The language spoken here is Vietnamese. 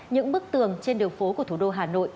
những bức tường trên đường phố của thủ đô hà nội